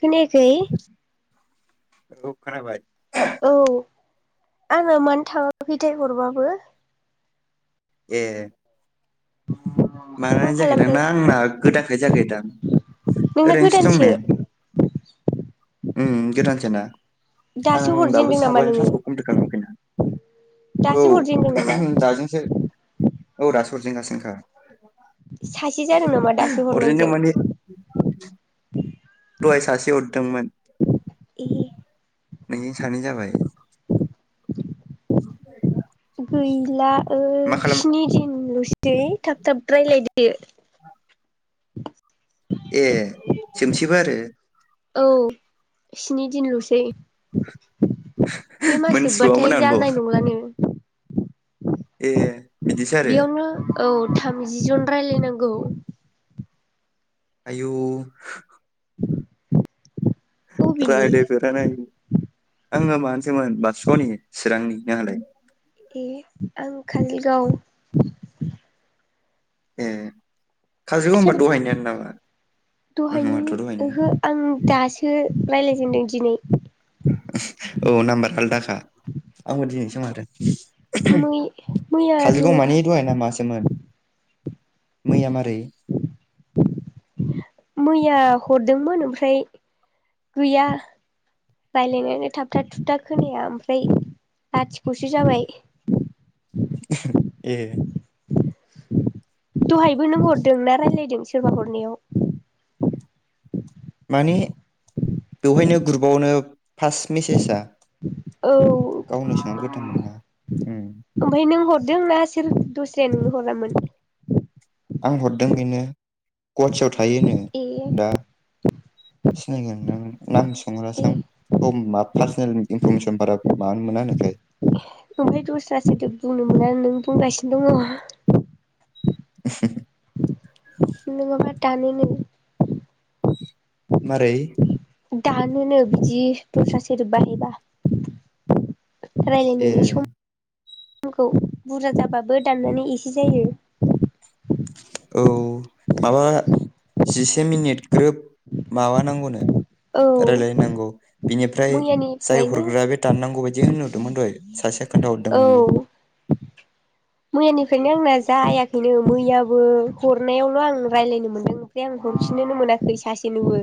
खोनायाखै? औ खोनाबाय। औ आंना मानो थाङाखैथाय हरबाबो। ए मा मानानै जायाखैदां खालामदों ना आंना गोदानखाय जायाखैदां नोंना ओरैनोसो दं गोदानसो नै उम गोदानसो ना। दासो आं दाबो हरजेनदों नामा साबानि नोङो थास्कखौ कमप्लिट खालामाखैनो दासो हरजेनदों नामा औ दाजोंसो औ दा हरजेनगासिनोखा। [inaudible] सासे जादों नामा दासो हरजेनदों हरनायजों? माने दहाय सासे हर दोंमोन ए नोंजों सानै जाबाय। [inaudible] गैला। ओ मा खालाम स्नि दिन ल' सै थाब थाब रायलायदो। ए जोमसैबो आरो औ स्नि दिनल'सै। बे मास मोनथिबावामोन जोबबाथाय जानाय आंथ' नंलानो। ए बिदिसो आरो बेयावनो औ। थामजि जन रायलायनांगौ। आयौ। बबेनि रायलायफेरानो आयु आङो माबानिसोमोन बासुगावनि चिरांनि। नोंहालाय? ए आं कालिगाव ए काजलगाव होनबा सोर दहायनियानो नामा दहायनि नङाथ' दहायनि ओहो आं दासो रायलायदों दिनै दिनै औ नाम्बार आलदाखा आंबो दिनैसो मै [inaudible] मैयानो काजिरगाव मानि दहायना मासोमोन मैया मारै मैया हरदोंमोन ओमफ्राय गैया रायलायनायानो थाबथाब थुबथा खोनाया ओमफ्राय लाथिखसो जाबाय ए दहायबो नों हरदों ना राय्लायदों सोरबा हरनायाव माने बेवहायनो ग्रुपावनो फार्स्ट मेसेजआ औ गावनो सोंहरग्रोदोंमोन ना उम ओमफ्राय नों हरदों ना सोर दस्राया नोंनो हरामोन आं हरदों बेनो गुवहााटियाव थायो ए दा सिनायगोन नों नाम ए सोंहरासै आं पार्सनेल इनफरमेसन बारा मानो मोना होनोथाय ओमफ्राय दस्रासोदोब बुंनो मोना नों बुंगासिनो दंङ [inaudible] नंङाबा दानोनो मारै दानोनो बिदि दस्रा सोदोब बाहायबा ए रायलायनायनि सम दामखौ बुरजा जाबाबो दाननानै एसे जायो औ माबा जिसे मिनिट ग्रोब माबानांगौनो औ रायलायनांगौ बिनिफ्राय जाय मैयानिफ्रायनो हरग्रा बे दाननांगौ बायदि होनहरदोंमोन दहाय सासे औ खोन्थाहरदोंमोन बे मैयानिफ्रायनो आंना जायाखैनो मैयाबो हरनायावल आं रायलायनो मोनदों ओमफ्राय आं हरफिननोनो मोनाखै सासेनोबो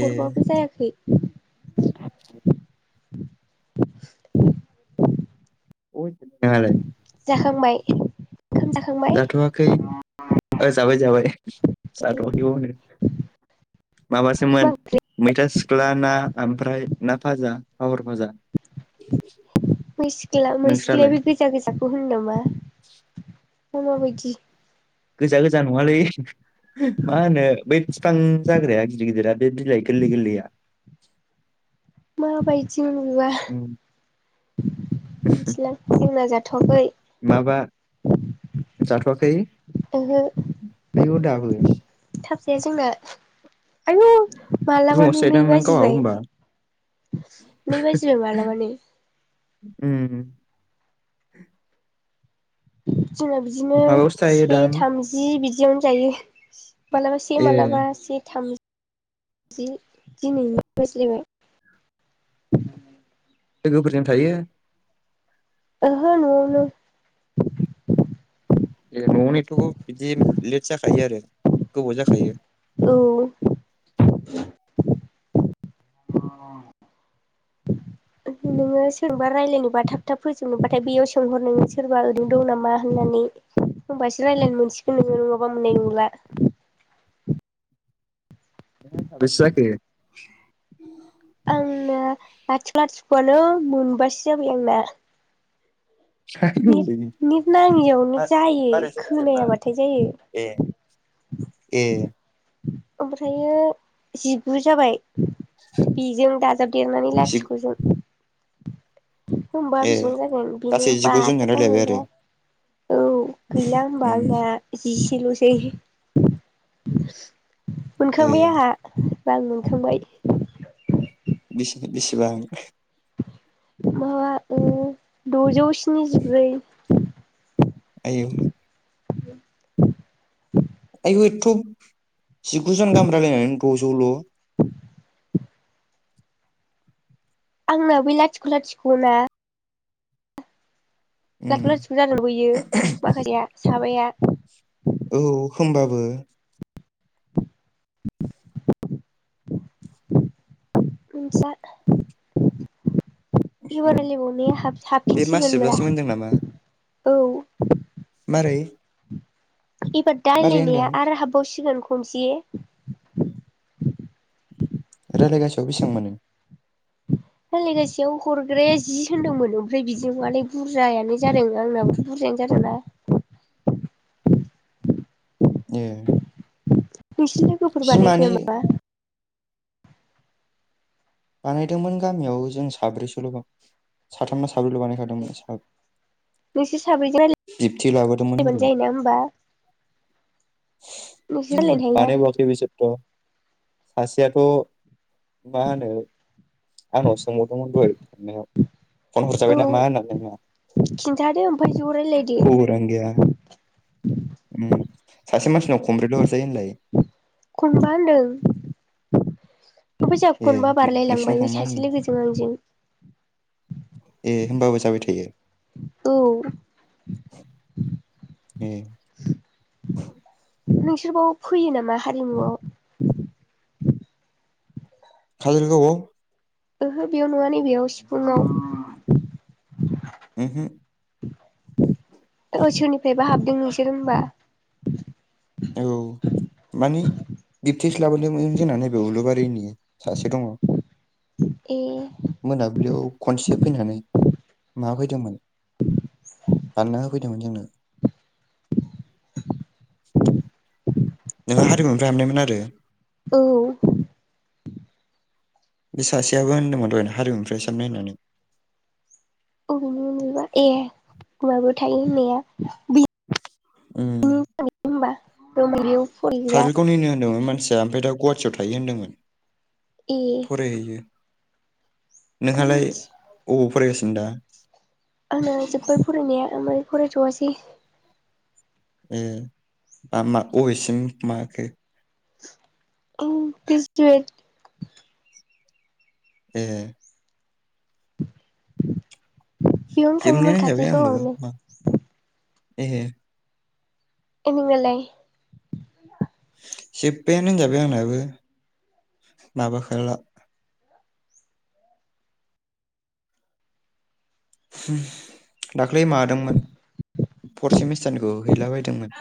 ए हरबाबो जायाखै [inaudible] [inaudible] [inaudible] जाखांबाय ओंखाम जाखांबाय जाथआखै ओ जाबाय जाबाय [inaudible] मा माबासोमोन मैथा सिख्ला ना ओमफ्राय ना फाजा पाफर फाजा मैं सिख्ला मै नोंस्रालाय सिख्लाया बे गोजा गोजाखौ होनो नामा। मा माबायदि। गोजा गोजा नङालै मा होनो बै बिफां जाग्राया गिदिर गिदिरा बे बिलाइ गोरलै गोरलैया। माबायदि नुवा उम मिथिला जेंना जाथ। थगै। जााथवाखै। ओहो आयुव दाबो। से जोंना आयु रुमावसो मालाबानो नै थायोदां नों गावहा बाजिबाय होमबा नै बाजिबाय मालाबानो। उम। जोंना बिदिनो माबायावसो से थायोदां थामजि बिदि जियावनो जायो। मालाबा से ए मालाबा से थाम [inaudible] लोगोफोरजों थायो। ओहो नयावनो। ए न'यावनो एथ' गो बिदि लेट जाखायो आरो गोबाव जाखायो। औ। नोङो सोरजोंबा रायलायनोबा थाब थाब फोजोबनोबाथाय बैयाव सोंहर नोङो सोरबा ओरैनो दं नामा होननानै होमबासो रायज्लायनो मोनसिगोन नोङो नङाबा मोननाय नंला। बेसे जाखो। आं ना [inaudible] नो मोनबासे जाबाय आंना। जाखो नि निट नाङियावनो जायो मारै जों जेनेबा खोनायाबाथाय ए जायो। ए ओमफ्रायो जिगु जाबाय। बिजों दा। देरनानै जि लाथिख' जों। [unintelligible] औ गैला होमबा ए गासै जिगुजोनजों रायलायबाय आरो उम आंना जि। लसै। ए मोनखांबाय आंहा। रां मोनखांबाय बेसे बेसेबां। माबा ओ दजौ। स्निजिब्रै। आयौ। [unintelligible] आयौ एथ' जिगुजन गाहाम रायलायनानै द'जौल' [unintelligible] आंना बै लाथिख' लाथिख' ना उम [unintelligible] माखासेया साबाया औ होमबाबो [unintelligible] [unintelligible] इबार उम रायलायबावनाय बे मास हाबफिनसिगोनब्रा जोबजासिम होनदों नामा औ मारै? इबार दा मारै होनदों रायलायनाया आरो हाबावसि? दिनावनो खनसे रायलायगासेयाव बेसेबां मोनो? रायलायगासेयाव हरग्राया जि होनदोंमोन ओमफ्राय बिदिहालाय बुरजायानो जादों आंनाबोथ' बुरजायानो जादों ना ए नोंसोरनि लोगोफोर बानायाखै बिमानि नामा? बानायदोंमोन गामियाव जों साब्रैसल' साथामना साब्रैल' बानायखादोंमोन नोंसोर साब्रैजों जिबथि लाबोदोंमोन आरो रायलायबानो जायोना होमबा नोंसोर रायजलायनो हायोना माने बावाखै बिसोरथ' सासेयाथ' मा हानो आंनाव सोंहरदोंमोन दहाय बेनाव फन औ हरजाबाय नामा होननानै नङा खिन्थादो ओमफ्राय ज' रायलायदो खबरानो गैया उम सासे मानसिनाव कमब्रैल' हरजायो होनलाय खनबा होनदों [unintelligible] ओमफ्राय जोंहा‌ ए खनबा बारलाय लांबाय नोंसिनाव बै मा सासे होनो लोगोजों आंजों। ए होमबाबो जाबाय थायो। ए नोंसोरबाव फैयो नामा हारिमुआव‌? खाजलगावाव? ओहो बेयाव नुवा नै बेयाव सिफुुंयाव। उहो औ सोरनिफायबा हाबदों नोंसोर होनबा? औ माने बिबथैसो लाबोदोंमोन जोंना नैबे उलुबारिनि सासे दङ'। ए मोनाबलियाव। खनसे फैनानै माबा फैदोंमोन। बानायना होफैदोंमोन जोंनो। नोंहा हारिमुनिफ्राय हाबनायमोन आरो औ बे सासेयाबो होनदोंमोन दहायनो हारिमुनिफ्राय साननाय होननानै अबेनिमोन बेबा ए माबायाव थायो होननाया बि उम होमबा [unintelligible] काजलगावनिनो होन्दोंमोन माने मानसिया ओमफाय दा गुवाहाटियाव थायो होन्दोंमोन ए फरै होयो आं नोंहालाय मिथि आबाव फरायगासिनो दा आंना जोब्बाय फरायनाया मोने फरायथवासै ए मा मा अबेसिम माखो आं ग्रेजुवेट ए बेयावनो जोबनायानो थाङोमोन होनजाबाय आंबो काजलगावआवनो मा ए [unintelligible] जोब्बायानो होनजाबाय आंनाबो माबाखाला [unintelligible] दा दाख्लै मादोंमोन फर्थ सेमिस्टारनिखौ हैलाबायदोंमोन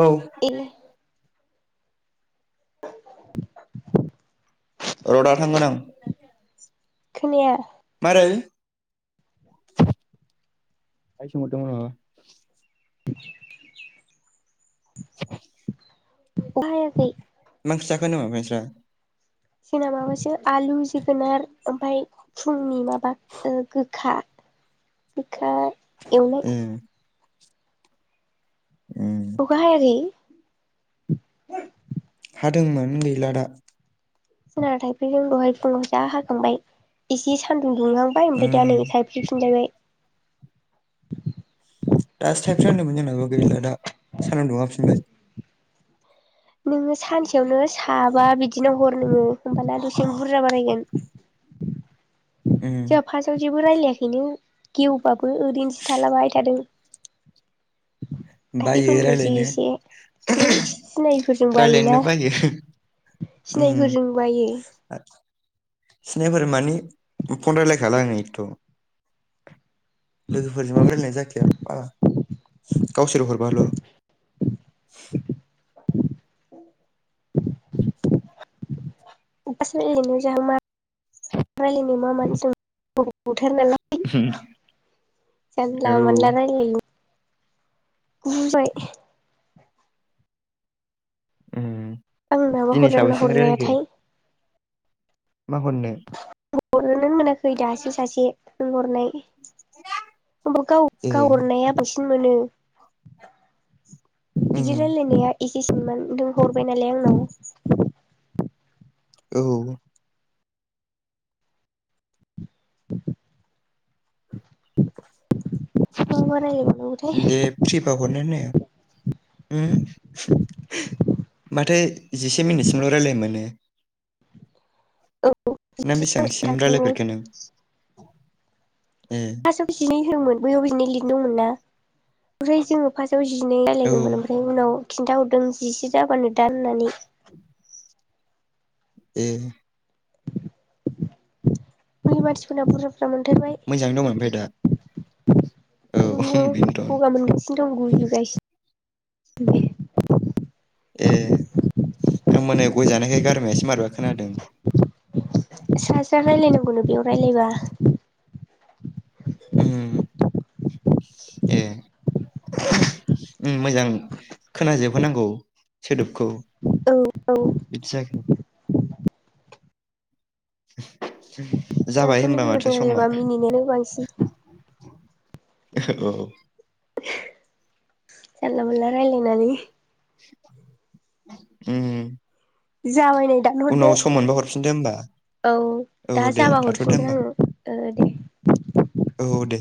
औ ए रडा थांगोन आं खोनाया मारै आय सोंहरदों रं [unintelligible] [unintelligible] बायाखै मा ओंख्रि जाखो होन्दोंमोन नोंसरा जोंना माबासो आलु जोगोनार ओमफ्राय फुंनि माबा ओ गोखा गोखा एवनाय नोंस्रा ए उम अखा हायाखै [inaudible] हादोंमोन गैला दा जोंना थाइफ्रिदों दहाय फुङाव जा हाखांबाय इसे सान दुंहांबाय उम ओमफ्राय दा नै थायफ्रि फिनलायबाय [inaudible] दासो थायफ्रि हांदोंमोन जोंनाबो गैला दा सानदुं दुखांफिनबाय नोङो सानसेयावनो साबा बिदिनो हर नोङो होमबाना दसे बुरजा बारायगोन उम जोंहा फार्स्टआव जेबो रायलायाखै नो गिउ अबाबो ओरैनोसो थालाबाय थादों। [inaudible] बायो [unintelligible] एसे रायलायनो एसे बै सिनायफोरजों बायोना रायलायनोनो बायो उम सिनायिफोरजों बायो। सिनायिफोर माने फन रायलायखाला आङो एथ' लोगोफोरजोंबो रायलायनाय जाखाया बारा गावसोर हरबाल'। [inaudible] [unintelligible] थार नालाय जानला मोनला रायलायो। बुजाय उम आंनाबा दिनै हरजागोन ना साबेसेजों रायलायखो हरजायाथाय। मा हरनो? हरनोनो मोनाखै दासो सासे नोंहरनाय गाव ए गावहरनाया बांसिन मोनो। उम बिदि रायलायनाया एसे सिनमोन नों हर हरबाय नालाय आंनाव औ [inaudible] मा मा रायलायबावनांगौथाय दे फ्रिबा हरनो होननाया ओम माथो जिसे मिनिट सिमल' रायलायनो मोनो। औ नों बेसेबां सिम रायलाय साननांगौ फेरखो नों? ए [unintelligible] मोन बयाव बिनो लिरदोंमोन ना ओमफ्राय जो फा दाव जिनै औ रायालायदोमोन ओमफ्राय उनाव खिन्थाहरदों जिसे जाबानो दान होननानै। ए मानसिफोरना बुर्जा बुर्जा मोनथारबाय। मोजाङै दं ओमफ्राय दा औ दङ बेनोथ' गगा मोनगासिनो दं गुजुगासिनो दे ए आं मोनायाव गय जानायखाय गारमायासो मारैबा खोनादों। सासेया रायलायनो मोनाब्लियाव रायलायबा उम ए मोजां खोनाजोबहोनांगौ सोदोबखौ। औ औ बिदि जागोन [inaudible] जाबाय जोंहाथ' होनबा माथो लोगोफोरजों समा रायलायबा मिनिनायानो बांसिन [unintelligible] औ जानला मोनला रायलायनानै उम जाबाय नै दानहरदो फिनदो होमबा औ औ दा दे जाबा थाथ'दो हरफिनगोन होमबा आङो दे औ दे